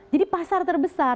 jadi pasar terbesar